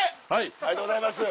ありがとうございます。